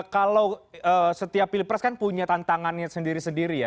kalau setiap pilpres kan punya tantangannya sendiri sendiri ya